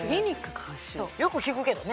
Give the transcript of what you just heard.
監修よく聞くけどね